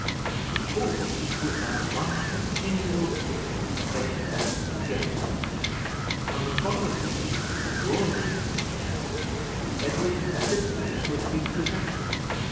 The court was now one continual scene of fetes and gayety. On the following day a drawing room was to be held, and Edward's sisters were to be presented.